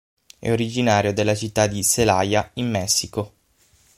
È originario della città di Celaya, in Messico.